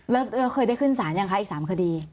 แล้วเคยได้ขึ้นสารยังคะอีก๓คดี